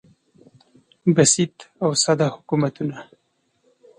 بسیط او ساده حکومتونه